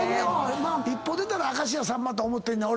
一歩出たら明石家さんまと思ってんねん